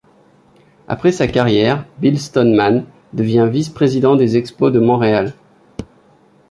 Après sa carrière, Bill Stoneman devient vice-président des Expos de Montréal.